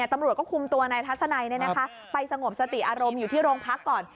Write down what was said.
ตำรวจก็คุมตัวนายทัศนัยไปสงบสติอารมณ์อยู่ที่โรงพักก่อน